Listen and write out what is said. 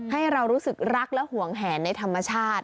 ให้เรารู้สึกรักและห่วงแหนในธรรมชาติ